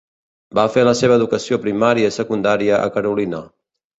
Va fer la seva educació primària i secundària a Carolina.